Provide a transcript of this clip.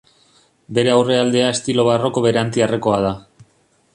Bere aurrealdea estilo barroko berantiarrekoa da.